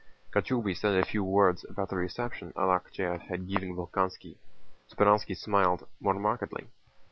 Kochubéy said a few words about the reception Arakchéev had given Bolkónski. Speránski smiled more markedly.